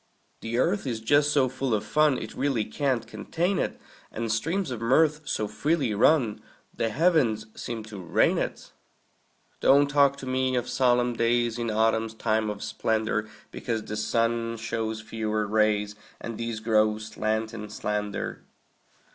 The earth is just so full of fun It really can't contain it; And streams of mirth so freely run The heavens seem to rain it. Don't talk to me of solemn days In autumn's time of splendor, Because the sun shows fewer rays, And these grow slant and slender.